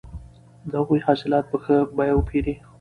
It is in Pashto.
د هغوی حاصلات په ښه بیه وپېرئ.